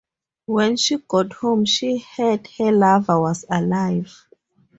When she got home, she heard her lover was alive.